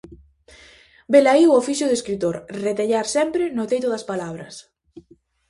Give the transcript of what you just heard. Velaí o oficio do escritor, retellar sempre no teito das palabras.